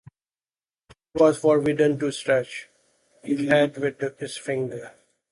He was forbidden to scratch his head with his fingers.